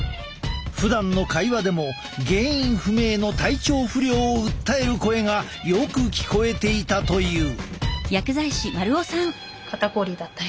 ふだんの会話でも原因不明の体調不良を訴える声がよく聞こえていたという。